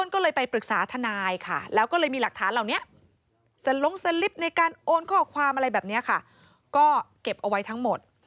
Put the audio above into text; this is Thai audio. ก็เก็บเอาไว้ทั้งหมด